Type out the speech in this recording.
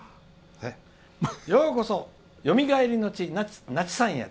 「ようこそ、よみがえりの地那智山へ」。